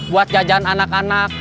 buat jajan anak anak